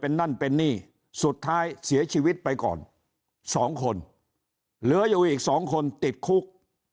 เป็นนั่นเป็นนี่สุดท้ายเสียชีวิตไปก่อน๒คนเหลืออยู่อีก๒คนติดคุก